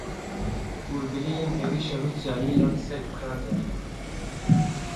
Hûrgiliyên êrişa Rûsyayê ya li ser Ukraynayê.